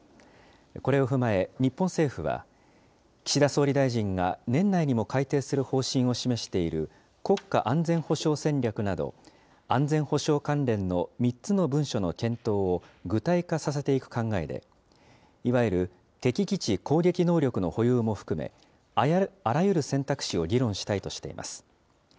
これを踏まえ日本政府は、岸田総理大臣が年内にも改定する方針を示している国家安全保障戦略など、安全保障関連の３つの文書の検討を具体化させていく考えで、いわゆる敵基地攻撃能力の保有も含め、あらゆる選択肢を議論したいとしています。